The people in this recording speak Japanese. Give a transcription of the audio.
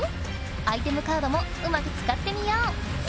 アイテムカードもうまくつかってみよう！